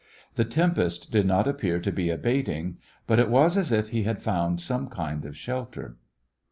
The tempest did not appear to be abating, but it was as if he had found some kind of shelter.